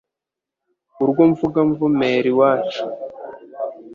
urwo mvuga mvumera iwacu”.